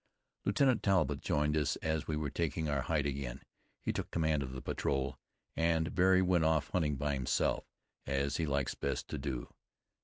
] Lieutenant Talbott joined us as we were taking our height again. He took command of the patrol and Barry went off hunting by himself, as he likes best to do.